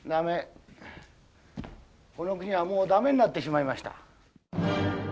この国はもうダメになってしまいました。